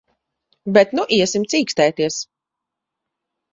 Bet nu iesim cīkstēties.